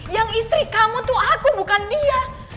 yang istri kamu tuh aku bukan dia